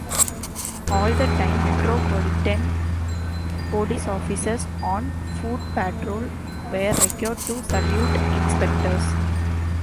At the time Metropolitan Police Officers on foot patrol were required to salute inspectors.